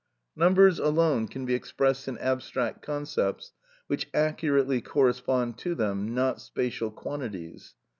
Numbers alone can be expressed in abstract concepts which accurately correspond to them, not spacial quantities.